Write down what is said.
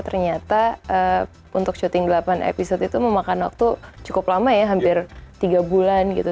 ternyata untuk syuting delapan episode itu memakan waktu cukup lama ya hampir tiga bulan gitu